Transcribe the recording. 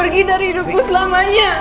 tergidah hidupmu selamanya